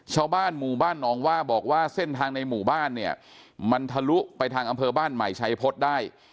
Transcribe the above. ชาวบ้านหมู่บ้านหนองว่าบอกว่าเส้นทางในหมู่บ้านเนี่ยมันทะลุไปทางอำเภอบ้านใหม่ชัยพฤษได้